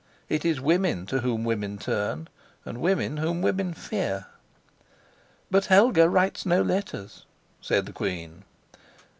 It is women to whom women turn, and women whom women fear. "But Helga writes no letters," said the queen.